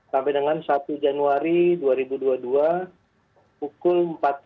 sampai dengan satu januari dua ribu dua puluh dua pukul empat belas